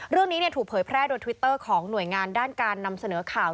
เรื่องนี้ถูกเผยแพร่โดยทวิตเตอร์ของหน่วยงานด้านการนำเสนอข่าว